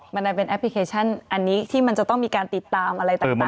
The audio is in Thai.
มันดันเป็นแอปพลิเคชันอันนี้ที่มันจะต้องมีการติดตามอะไรต่าง